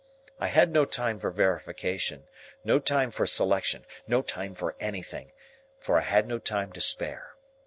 I had no time for verification, no time for selection, no time for anything, for I had no time to spare.